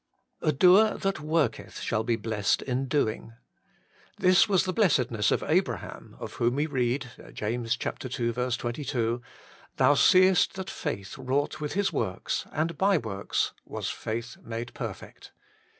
A doer that zvorketh shall be blessed in doing. — This was the blessedness of Abra ham, of whom we read (ii. 22) :' Thou seest that faith wrought with his works, and by works was faith made perfect.'